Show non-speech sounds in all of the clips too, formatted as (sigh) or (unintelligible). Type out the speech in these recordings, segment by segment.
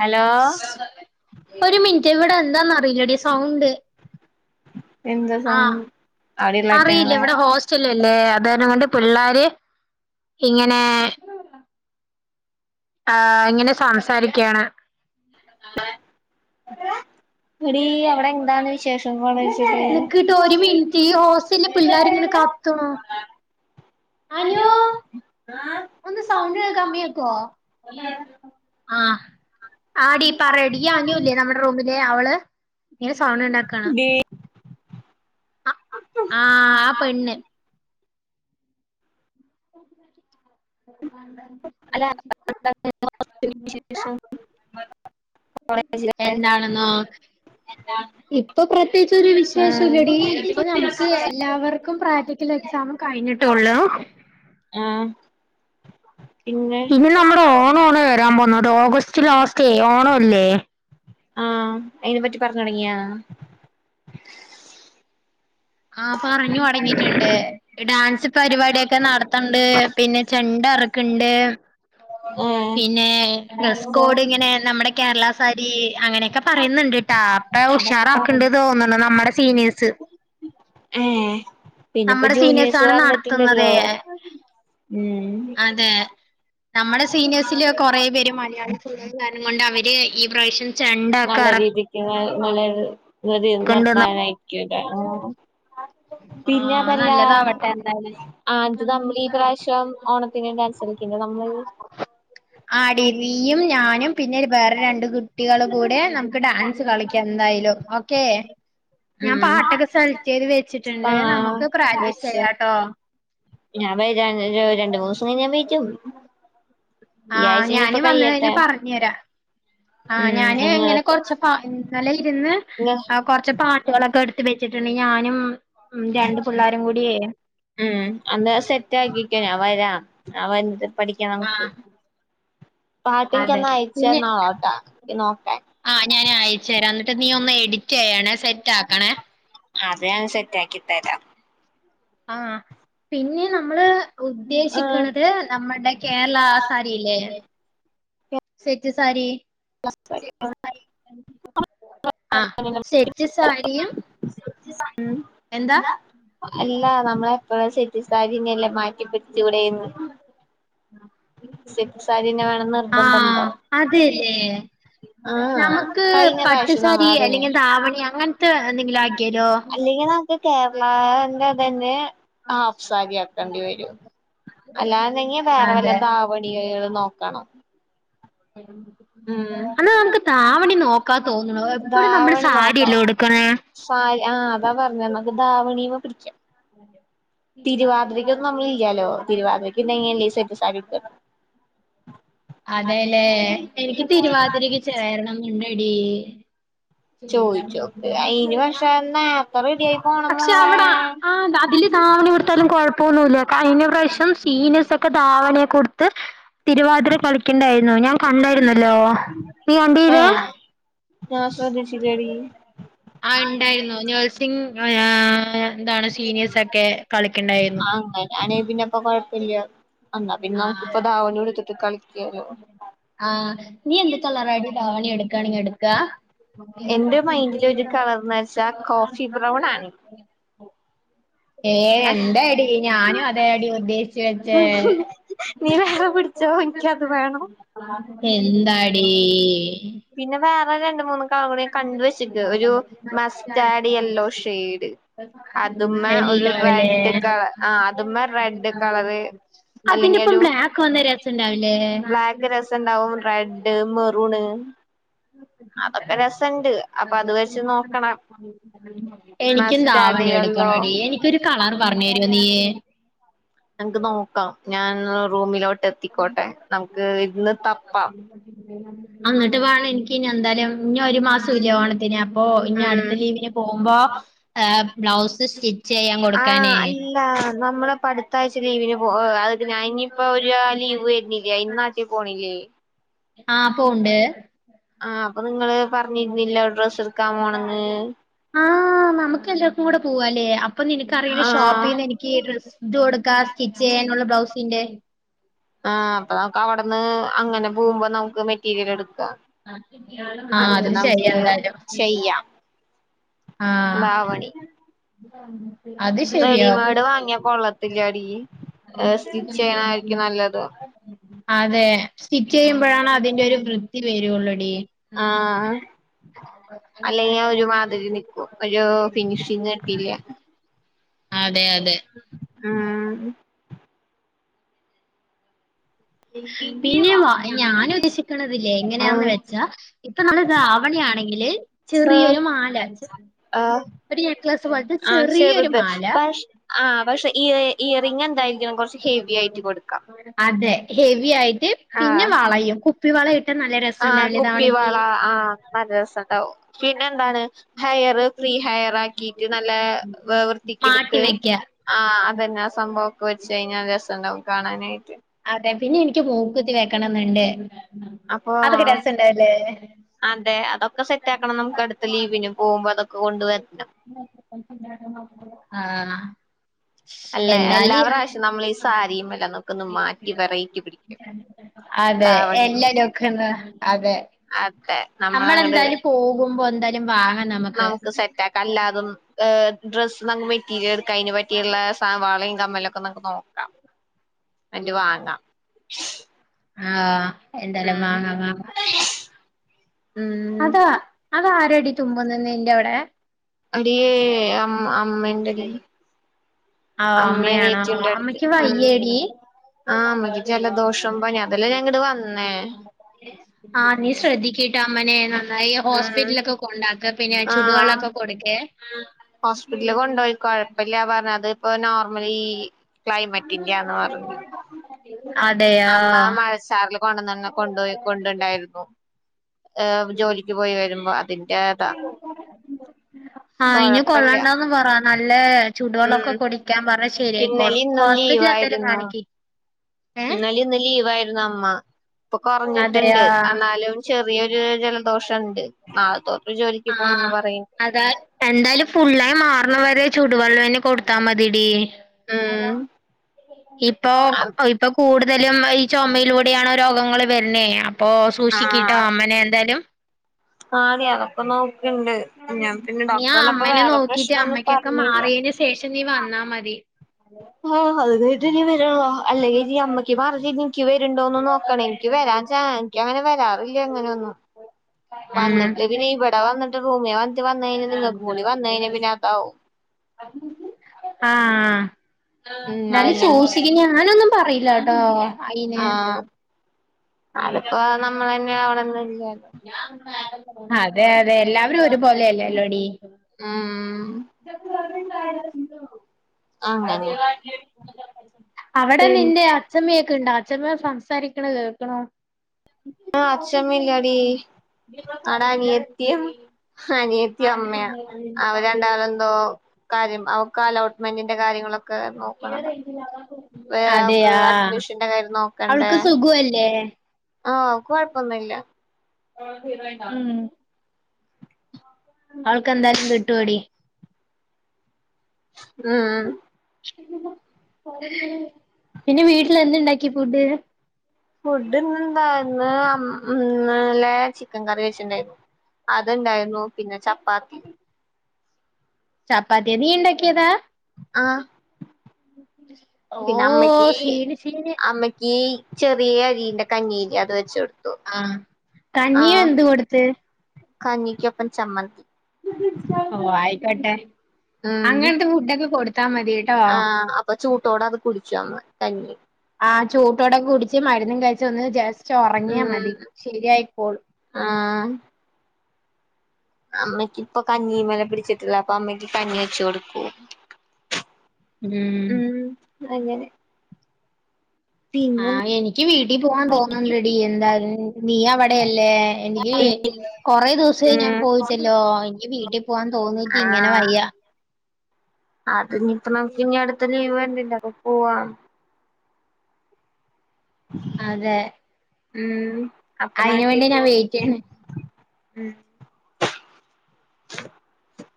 Hello ഒരു minute ഇവിടെ എന്താന്ന് അറിയില്ലടി സൗണ്ട് എന്താ ആഹ് സൗണ്ട് അവിടെയുള്ള അറിയില്ല അറ്റങ്ങളെ ഇവിടെ ഹോസ്റ്റല് അല്ലേ അതങ്ങണ്ട് പിള്ളാര് ഇങ്ങനെ ആ ഇങ്ങനെ സംസാരിക്കണ് എടി അവിടെ എന്താണ് വിശേഷം പോണ വെച്ചട്ട്- നിക്കിട്ടോ ഒരു മിനിറ്റ് ഈ ഹോസ്റ്റലില് പിള്ളേരിങ്ങനെ കത്തുണു അനു ഒന്ന് സൗണ്ട് കമ്മി ആക്കോ (inaudible) ആഹ് - ആടീപറയടി ഈ അനുല്ലേ നമ്മുടെ റൂമിലെ അവള്- ഇങ്ങനെ സൗണ്ട് ഉണ്ടാക്കാണ് ഡീ ആഹ് ആ പെണ്ണ്- (inaudible) അല്ല (inaudible) (inaudible) എന്താണെന്നോ ഇപ്പൊ പ്രത്യേകിച്ച്- ആഹ് വിശേഷല്ലടി ഇപ്പൊ നമുക്ക് എല്ലാവർക്കും പ്രാക്ടിക്കൽ എക്സാം കഴിഞ്ഞിട്ടള്ളു- ആഹ് പിന്നെ ഇനി നമ്മുടെ ഓണം ആണ് വരാൻ പോന്ന ഓഗസ്റ്റ് ലാസ്റ്റേ ഓണ അല്ലേ? ആഹ് അയിനെ പറ്റി പറഞ്ഞ തുടങ്ങിയാണ- ആഹ് പറഞ്ഞു തൊടങ്ങിയിട്ടുണ്ട് ഡാൻസ് പരിപാടിയൊക്കെ നടത്തണ്ട് പിന്നെ ചെണ്ട ഇറക്ക്ണ്ട്- ആഹ് പിന്നെ അതൊക്കെ ഡ്രസ്കോഡിങ്ങിനെ നമ്മുടെ കേരള കരീ അങ്ങനെക്കെ പറയുന്നുണ്ട് ട്ടാ അപ്പ അതൊക്കെ ഉഷാറ് പറഞ്ഞു ആക്ണ്ട് തോന്ന്ണ് നമ്മടെ സീനിയേഴ്സ് ഹേ നമ്മുടെ സീനിയെസാണ് നട്ത്ത്ന്നതെ ഉം അതെ നമ്മടെ സീനിയേസില് കുറേ പേര് തണുപ്പുള്ളത് കാരണം കൊണ്ട് അവര് ഈ പ്രാവശ്യം ചെണ്ടൊക്കെ നല്ല രീതിക്ക് വളര് (unintelligible) (unintelligible) ആ നല്ലതാവട്ടെ എന്തായ ആ ഇത് നമ്മൾ ഈ പ്രാവശ്യം ഓണത്തിന് ഡാൻസ് കളിക്കില്ലേ നമ്മള് (unintelligible) ആടി നീയും ഞാനും പിന്നെ വേറെ രണ്ട് കുട്ടികളും കൂടെനമുക്ക് ഡാൻസ് കളിക്കാം എന്തായാലും ഓക്കേ ഞാൻ ഉം പാട്ടൊക്കെ സെലക്ട് ചെയ്ത് വെച്ചി ആ ണ്ട് നമുക്ക് പ്രാക്റ്റീസ് വെച്ച് ചെയ്യാംട്ടോ ഞാൻ വരാം (unintelligible) രണ്ട് മൂന്ന് ദിവസം കഴിഞ്ഞാ ഞാൻ വരും (unintelligible) ആ ഈ ആഴ്ച ഇനിയിപ്പോ ഞാന് വന്ന് കഴിഞ്ഞ കഴിയട്ടെ പറഞ്ഞ് തരാംആ ഉം ഞാന് ഇങ്ങനെ നിങ്ങളെത്തും കൊറച്ച് ഇന്നലെ ഇരുന്ന് കൊറച്ച് പാട്ടുകളൊക്കെ എടുത്ത് വെച്ചിട്ടുണ്ടെങ്കിൽ ഞാനും ഉം രണ്ട് പിള്ളേരും കൂടിയേ ഉ അന്നാ സെറ്റ് ആക്കിക്കോ ഞാൻ വരാ ആ പാട്ട് അതെ എനിക്കൊന്ന് അയച്ചു പിന്നെ തന്നോളാട്ടാ എനിക്ക് നോക്കാൻ ആ ഞാൻ അയച്ചു തരാം എന്നിട്ട് നീ ഒന്ന് എഡിറ്റ് ചെയ്യ സെറ്റ് ആക്കണേ അത് ഞാൻ സെറ്റ് ആക്കി തരാം ആഹ് പിന്നെ നമ്മള് ആഹ് ഉദ്ദേശിക്കണത് നമ്മടെ കേരള ആ സാരിയില്ലേ സെറ്റ് സാരി (inaudible) ആഹ് സെറ്റ് സാരിയും (unintelligible) എന്താ അല്ല നമ്മളെപ്പോഴും സെറ്റ് സാരിനെല്ലേ മാറ്റി പിടിച്ചൂടെന്ന് സെറ്റ് ആ അതെല്ലേ ല്ലേ ആകഴിഞ്ഞ പ്രാവശ്യം ആഹ് പട്ടുസാരി അതെന്നെ അല്ലെങ്കിൽ ധാവണി അങ്ങനത്തെ എന്തെങ്കിലും ആക്കിയാലോ അല്ലെങ്കിൽ നമുക്ക് കേരളന്റെ തന്നെ ഹാഫ്സാരി ആക്കേണ്ടി വരും അല്ലാണ്ടെങ്കി വേറെ വല്ല അതെ ദാവണികകള് നോക്കണം ഉം എന്നാ നമുക്ക് താവണി നോക്കാ തോന്നണുഎപ്പഴും നമ്മള് ധാവണി നോക്കാം സാരിയല്ലേ ഉടുക്കണെ ധാവണിമേ പിടിക്കാം അതെ തിരുവാതിരക്കൊന്നും നമ്മള ഇല്ലാലോ തിരുവാതിര ണ്ടെങ്കിലല്ലേ സെറ്റ് സാരി ഉടു അതെല്ലേ എനിക്ക് തിരുവാതിരക്ക് ചേരണം (unintelligible) എടി ചോയിച്ചുനോക്ക് അയിന് പക്ഷെ നേർ (unintelligible) പക്ഷെ അവിടെ അതില് ദാവണി ഉടുത്താലും കൊഴപ്പൊന്നല്ല കഴിഞ്ഞ പ്രാവശ്യം ശീനേഴ്സ് ഒക്കെ ദാവണിയൊക്കെ ഉ ടുത്ത് (inaudible) തിരുവാതിര കളിക്കണ്ടായിരുന്നു ഞാൻ കണ്ടായിരുന്നല്ലോ നീ കണ്ടീര ഏഹ് ഞാൻ ശ്രദ്ധിച്ചില്ലഡി ആ ഇണ്ടായിരുന്നു നഴ്സിംഗ് അയാ എന്താണ് സീനിയേഴസ്ൊക്കെ കളിക്കണ്ടായിരുന്നു ആ അങ്ങനാണെ പിന്നെപ്പൊ കുഴപ്പമില്ല ആ കളിക്കാലോ ആഹ നീ എന്ത് കളർഡി ആവാണീ എടുക്കണ എടുക്ക എന്റെ മൈൻഡില് ഒരു കളർന്ന് വെച്ചാ കോഫി ബ്രൗൺ ആണ് ഏ എന്റെ അടി ഞാനും അതേ അടി ഉദ്ദേശിച്ചച്ച് വെച്ചേ നീ വേറെ പിടിച്ചോ എനിക്കത് വേണം (unintelligible) എന്താടീ പിന്നെ വേ പറ രണ്ട് മൂന്ന് കളറ് ഞാൻ കണ്ടുവെച്ചിട്ട് ഒരു മസ്റ്റാഡ് യെല്ലോ ഷെയ്ഡ് അതുമ്മെ ഒരു അവലേ റെഡ് കള ആ അത്മ്മെ റെഡ് കളറ് അല്ലെങ്കിൽ അതിന്റൊപ്പം ഒരു ബ്ലാക്ക് വന്ന രസണ്ടാവില്ലേ ബ്ലാക്ക് രസണ്ടാവും റെഡ് മെറൂണ് അതൊക്കെ രസണ്ട് അപ്പൊ അത് വെച്ച് നോക്കണം എനിക്കും മസ്റ്റാർഡ് ദാവണി ചെയ്യല്ലോ എടുക്കണംടി എനിക്കൊരു കളറ് പറഞ്ഞരോ നീയ് ഞങ്ങക്ക് നോക്കാം ഞാനൊന്ന് റൂമിലോട്ട് എത്തിക്കോട്ടെ നമുക്ക് ഇരുന്ന് തപ്പാം അന്നട്ട് വേണം ഇന്ക്കിനി എന്തായാലും ഇന്നി ഒരു മാസോംല്ലെ ഓണത്തിന് അപ്പൊ ഇനി ഉം അടുത്ത ലീവിന് പോവുമ്പോ ഏ ബ്ലൗസ് സ്റ്റിച്ചയ്യാൻ ആഹ് കൊടുക്കാനേന് അല്ല നമ്മള് പടുത്താഴ്ച ആ ലീവ് വര്ണില്ലേ അയ്‌ന് നാട്ടിപോണില്ലേ ആ പോവുണ്ട് ആ അപ്പൊ ഇങ്ങള് പറഞ്ഞിരുന്നില്ലെ ഡ്രസ് ഇടുക്കാൻ പോണന്ന് ആഹ് നമുക്ക് എല്ലാർക്കും കൂടെ പോവല്ലേ അപ് അപ്പൊ നിനക്കറിയണ ആഹ് ഷോപ്പിന്ന് എനിക്ക് ഡ്രസ്സ് ഇത് കൊടുക്ക സ്റ്റിച്ച് ചെയ്യാനുള്ള ബ്ലൗസിന്റെ ആ അപ്പൊ നമുക്ക് അവിടന്ന് അങ്ങനെ പോകുമ്പോ നമുക്ക് മെറ്റീരിയൽ എടുക്ക ആഹ് അന്നട്ട് അത് ശരിയാ നമുക്ക് എന്തായാലും ചെയ്യാം ദാവണി ഉം റെഡിമെയ്ഡ് വാങ്ങിയ കൊള്ളത്തില്ല്യടി അതെ സ്റ്റിച്ച് ചെയ്യുമ്പോഴാണ് അതിന്റെ ഒരു വൃത്തി വരുള്ളൂ ടി ആ അല്ലെങ്കി ഒരു മാതിരി നിക്കും ഒരു ഫിനിഷിങ് കിട്ടില്ല അതെ അതെ മ് പിന്നെ വ ഞാൻ ഉദ്ദേശിക്കണതില്ലേ എങ്ങനെയാന്ന് ആഹ് വെച്ചാ ഇപ്പൊ നമ്മള് ദാവണി ആണെങ്കില് ചെറിയൊരു മാല ഒരു നെക്ലസ് പോലത്തെ ആ ചെറിയൊരു ചെറുത് മാല പ ആ പക്ഷെ ഇയറിംഗ് എന്തായിരിക്കണം കൊറച്ച് ഹെവി ആയിട്ട് കൊടുക്കാം അതെ ഹെവി ആയിട്ട് പിന്നെ ആഹ് വളയും കുപ്പി വള ഇട്ടാ നല്ല ആഹ് രസുണ്ടാവില്ലേ ദാവണിക്ക് കുപ്പിവള ആഹ് നല്ല രസണ്ടാവും പിന്നെ എന്താണ് ഹെയറ് ഫ്രീ ഹയറാക്കിട്ട് നല്ല മാട്ടി വൃത്തിക്കെടുത്ത് വെക്ക ആ അതെന്നെ ആ സംഭവം ഒക്കെ വെച്ച് കഴിഞ്ഞാൽ രസംണ്ടാവും കാണാൻ നൈറ്റ് അതെ പിന്നെ എനിക്ക് മൂക്കുത്തി (unintelligible) ക്കണെന്നുണ്ട് അപ്പൊ ആ അതെ അതൊക്കെ സെറ്റ് ആക്കണം നമുക്ക് അടുത്ത ലീവിന് പോകുമ്പോ അതൊക്കെ കൊണ്ടുവരണം ആഹ് അല്ല എല്ലാ എന്നാല് പ്രാവശ്യോം നമ്മള് ഈ സാരിയും എല്ലാം ഒന്നക്കെ മാറ്റ് അതെ എല്ലാരും ധാവണിമേല് ഒക്കന്ന് അതെ അതെ നമ്മൾ അങ്ങട് നമ്മളെന്തായാലും പോകുമ്പോ എന്തായാലും വാങ്ങാം നമുക്ക് സെറ്റ് ആക്കാ അല്ലാതൊ ഏ ഡ്രസ്സ് നമ്മ മെറ്റീരിയൽ എട്ക്കാ അയ്ന് പറ്റീള്ളെ സവാളെം കമ്മലൊക്കൊന്ന് നോ ആഹ് അന്റെ വാങ്ങാം ആഹ് എന്തായാലും ഉം വാങ്ങാം വാങ്ങാം ഉം അതാ അത് ആരാടി തുമ്മുന്ന നിന്റ ഏ എടിയേ അം അ ഉമ്മ ഇണ്ടെടി ആ അമ്മയാണോ അടുത്ത് അമ്മയ്ക്ക് ഉം വയ്യേടി ആ അമ്മക്ക് ജലദോഷം പനി അതല്ലേ ഞാൻ ഇങ്ങട് വന്നേ ആ നീ ശ്രദ്ധിക്ക്ട്ടോ അമ്മനേ ആഹ് ആ ചുടുവെള്ളൊക്കെ കൊടുക്കേ ഹോസ്പിറ്റലില് കൊണ്ടുപോയ്ക്കോ പ്പല്ലന്നാ പറഞ്ഞ് അതിപ്പോ നോർമലീ ക്ലൈമറ്റിന്റെയാന്ന് പറഞ്ഞ് അതെയോ അമ്മ മഴച്ചാറല് കൊണ്ടുന്നന്ന കൊണ്ടോയി കൊണ്ടുണ്ടായിരുന്നു ഏഹ് ജോലിക്ക് (unintelligible) പോയി വരുമ്പോ അതിന്റേതാ ആഹ് ഇനി കൊള്ളണ്ടാന്നും പറ നല്ലേ ചൂട് വെള്ളം ഉം ഒക്കെ കുടിക്കാൻ പ ഇന്നലിം ശരിയായിക്കോളും ഹോസ്പിറ്റലി എന്തേലും കാണിക്ക് ഇന്നലെ, ഇന്നും ലീവായിരുന്നു അമ്മ ഇപ്പൊ അതെയോ കൊറഞ്ഞിട്ടുണ്ട് എന്നാലും ചെറിയൊരു ജലദോഷം തൊണ്ട് ആതോ ആ അതാ എന്തായ്ലും ഫുള്ളായി മാർണവരെ ചൂടു വള്ള വെ കൊടുത്താമ ദീടി ആം ഇപ്പൊ ഇപ്പൊ കൂടുതലും ഈ ചുമയിലൂടെണ രോഗങ്ങള്ൾ വരുന്ന അപ്പോൊ സൂക്ഷിക്കിട്ടോ അമ്മനെ എന്തായാലും ആണ അതൊക്കൊന്ന ഞാ പിന്നെ നീ ആ ഡോക്ടപ്പ അമ്മനെ വേറെ നോക്കീട്ട് പ്രശ്നന്നും അമ്മയ്ക്കൊക്കെ പറഞ്ഞ മാറിയതിന് ശേഷം നീ വന്നാ മതി ആ അത് ക വരുള്ള അല്ല അമ്മയ്ക്ക് പറ എനിക്ക് വരുണ്ടോന്ന് നോക്കണ എനിക്ക് വരാ എനിക്ക അങ്ങനെ വരാറില്ലേ എങ്ങനെയ ഒന്നും വന്നിട്ട് പിന്നെ ഇവിടെ വന്നിട്ട് ഭൂമിയെ വന്ന വന്ന ക നിങ്ങൾക്ക്ും കൂടി വന്ന പിന്നെ അതാവും ഉ ആഹ എന്നാലും ശോസിക്ക ഞാനൊന്നും പറയില്ല ട്ടോ അയിന് ആഹ് അതിപ്പോ നമ്മൾ തന്നെ അവിടെന്ന ഇല്ലോ അതെ അതെ എല്ലാവരും ഒരുപോലെല്ലല്ലോടി ഉം അങ്ങനെ അവിടെ നിന്റെ അച്ഛമ്മിയൊക്കെണ്ട അച്ഛമ്മേ സംസാരിക്കണ കേൾക്കണോ ആ അച്ഛമ്മല്ലടി അട അനിയത്തിയും അനിയത്തി അമ്മയാ അവര്ണ്ടാല എന്തോ കാര്യം അവക്ക് അലോട്ട്മെന്റി അവക്ക് അതെയാ അഡ്മിഷന്റെ അവൾക്ക് സുഖല്ലേ ആഹ കൊഴപ്പൊന്നുംല്ല ഉം അവൾക്ക്ന്തായാലും കിട്ടുപടി ഉം മ്മ്മ് (inaudible) പിന്നെ വീട്ടിൽ എന്ത്ണ്ടാക്കി ഫുഡ് ഫുഡ്‌ ഇന്ന് എന്തായിന്ന്ന്ന്ല്ലെ ചിക്കൻ കറി വെച്ചിുണ്ടായിരുന്നു അത്ണ്ടായിരുന്നു പിന്നെ ചപ്പാത്തി ചപ്പാത്തി നീ ഉണ്ടാക്കിയതാ ആ ഓ പിന്നെ അമ്മക്ക് സീന് സീന് അമ്മക്ക് ചെറിയ അരിന്റെ കഞ്ഞീലെ അത് വെച്ചെടുത്തു ആഹ് ആഹ കഞ്ഞിയും എന്ത് കൊടുത്ത് കഞ്ഞിക്കപ്പം ചമ്മതി ഓ ആയിക്കോട്ടെ അങ്ങനത്തെ ഫുഡൊക്കെ കൊടു ആ അപ്പൊചൂട് ഓടെ അത് കുടിക്കാം കഞ്ഞി ആഹ് ചൂടോടെ കുടിച്ച് മരുന്നും കഴിച്ച് ഒന്ന് ജസ്റ്റ് ഉറങ്ങിയാ ഉം മതി ശരിയായിക്കോളും അമ്മേ ഇപ്പൊ കഞ്ഞീമ്മല് പിടിച്ചിട്ട്ള്ളത്. അപ്പൊ അമ്മയ്ക്ക് കഞ്ഞി വെച്ച് കൊടുക്കും ഉം അങ്ങനെ പിന്നെ ആഹ് എനിക്ക് വീട്ടിൽ പോവാൻ തോന്നുന്നുണ്ടെടി എന്തായാലും നീ അവിടെയല്ലേ എനിക്ക് കൊറേ ദിവസായി ഞാൻ ഉം പോയിട്ടല്ലോ എനിക്ക് വീട്ടിൽ പോവാൻ തോന്നിട്ട് ഇങ്ങനെ വയ്യ ആ ഇനിപ്പൊ നമുക്ക് ഇനി അടുത്ത് ലീവ് വര്നില്ലെ അപ്പൊ പോവാം അതെ ഉം അപ്പൊ അതിന് നാട്ടി വേണ്ടിയാ ഞാൻ വെയിറ്റ് ചെയ്യ ഉം (inaudible)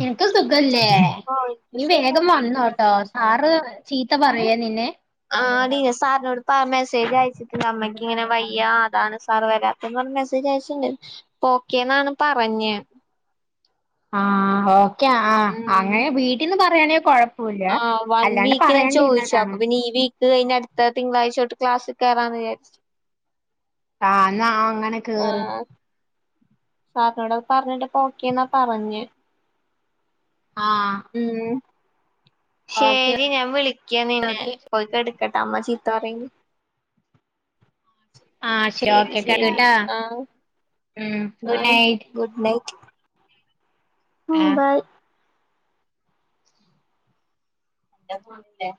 നിനക്ക് സുഖല്ലേ നീ വേഗം വന്നോട്ടോ സാറ് ചീത്ത പറയെ നിന്നെ ആഹ് ഡീ സാറിനോട് പ മെസ്സേജ് അയച്ചിട്ടുണ്ട് ഞ് മെസ്സേജ് അയച്ച്ണ്ട് ഓക്കേന്നാണ് പറഞ്ഞ് ആ ഓ ആ ഉം അങ്ങനെ വീട്ടിൽന്ന് പറയാണെങ്കിൽ കൊഴപ്പൂല്ല. ആഹ് വൺ അല്ലാണ്ട് വീക്ക് ഞാൻ ചോദിച്ചു അപ്പൊ പറയാണ്ടിരുന്നിട്ടാണ് ക്ലാസില് കയറാന്ന് വിചാരിച്ചു ആഹ് ന്നാ അങ്ങനെ കേറ് സാറിനോടത് പറഞ്ഞിട്ട് ഇപ്പൊ ഓക്കേ ന്നാ പറഞ്ഞ ആഹ് ഉം ഓക്കെ ശരി ഞാൻ വിളിക്ക നിന്നെ പോയിക്കെടക്കട്ടെ അമ്മ ചീത്ത പറയും ആഹ് ശരി ഓക്കെ ശരി (unintelligible) ആഹ് ഉം ഗുഡ് ആഹ് നൈറ്റ് ഗുഡ് നൈറ്റ് ഉം ആഹ് ബൈ (unintelligible)